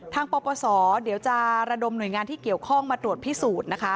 ปปศเดี๋ยวจะระดมหน่วยงานที่เกี่ยวข้องมาตรวจพิสูจน์นะคะ